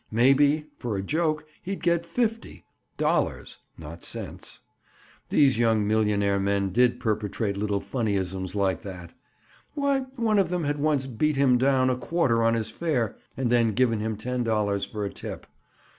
Maybe, for a joke, he'd get a fifty—dollars, not cents. These young millionaire men did perpetrate little funnyisms like that. Why, one of them had once "beat him down" a quarter on his fare and then given him ten dollars for a tip.